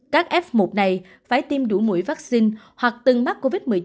các f một này phải tiêm đủ mũi vaccine hoặc từng mắc covid một mươi chín